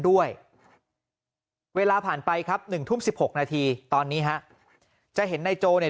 ด้วยเวลาผ่านไปครับ๑ทุ่ม๑๖นาทีตอนนี้จะเห็นในโจ่เนี่ย